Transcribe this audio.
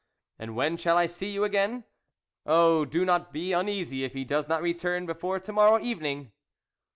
" And when shall I see you again ?"" Oh, do not be uneasy if he does not return before to morrow evening."